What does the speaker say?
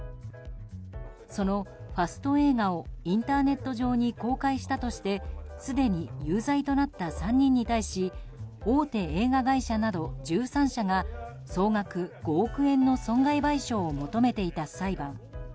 そのファスト映画をインターネット上に公開したとしてすでに有罪となった３人に対し大手映画会社など１３社が総額５億円の損害賠償を求めていた裁判。